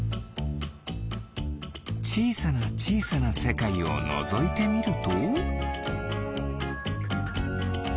ちいさなちいさなせかいをのぞいてみると？